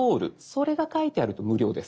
それが書いてあると無料です。